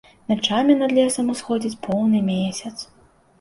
Начамі над лесам усходзіць поўны месяц.